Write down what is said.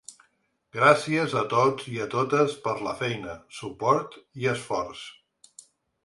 Gràcies a tots i totes per la feina, suport i esforç.